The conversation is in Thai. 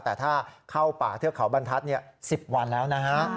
แต่ถ้าเข้าป่าเทือกเขาบรรทัศน์๑๐วันแล้วนะฮะ